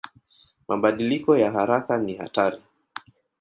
Mabadiliko ya haraka ni hatari.